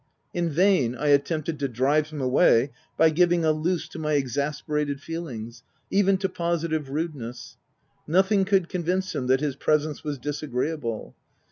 In vain I attempted to drive him away by giving a loose to my exasperated feelings, even to positive 280 THE TENANT rudeness : nothing could convince him that his presence was disagreeable.